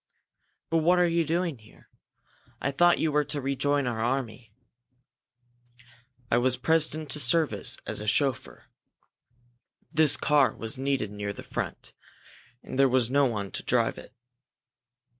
"But what are you doing here? I thought you were to rejoin our own army?" "I was pressed into service as a chauffeur. This car was needed near the front, and there was no one to drive it.